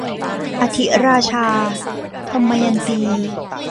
อธิราชา - ทมยันตี